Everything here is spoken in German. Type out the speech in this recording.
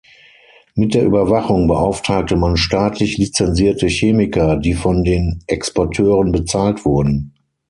Mit der Überwachung beauftragte man staatlich lizenzierte Chemiker, die von den Exporteuren bezahlt wurden.